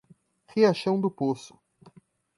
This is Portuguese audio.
Riachão do Poço